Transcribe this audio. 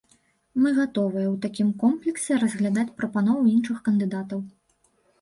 Мы гатовыя ў такім комплексе разглядаць прапановы іншых кандыдатаў.